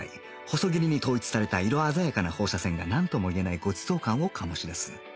細切りに統一された色鮮やかな放射線がなんとも言えないごちそう感を醸し出す